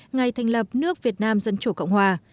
ngày thành lập nước việt nam dân chủ cộng hòa